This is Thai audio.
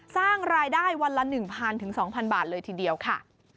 สร้างรายได้วันละ๑๐๐๒๐๐บาทเลยทีเดียวค่ะ